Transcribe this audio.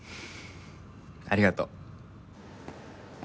ありがとう。